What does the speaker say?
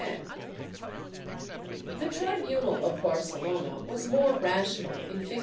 The tribunal of Barcelona was more rational in 1597.